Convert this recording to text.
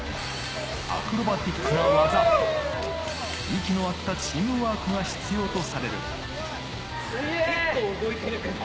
アクロバティックな技と息の合ったチームワークが必要とされる。